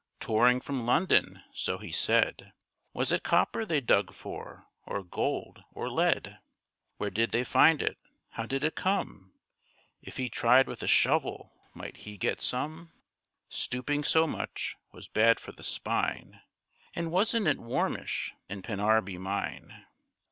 Touring from London, so he said. Was it copper they dug for? or gold? or lead? Where did they find it? How did it come? If he tried with a shovel might he get some? Stooping so much Was bad for the spine; And wasn't it warmish in Pennarby mine?